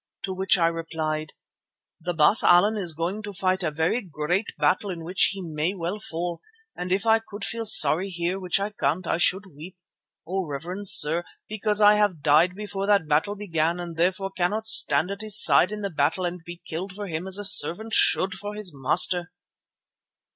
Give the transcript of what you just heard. to which I replied: "'The Baas Allan is going to fight a very great battle in which he may well fall, and if I could feel sorry here, which I can't, I should weep, O reverend sir, because I have died before that battle began and therefore cannot stand at his side in the battle and be killed for him as a servant should for his master!